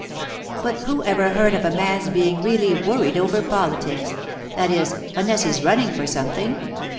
'But who ever heard of a man's being really worried over politics—that is, unless he's running for something?